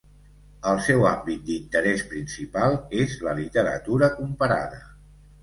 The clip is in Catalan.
El seu àmbit d'interès principal és la literatura comparada.